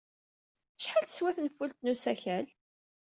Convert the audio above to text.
Acḥal teswa tenfult n usakal?